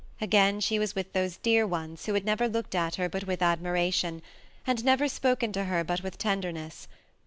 Again she was with those dear ones who had never looked at her but with admiration, and never spoken to her but with tenderness.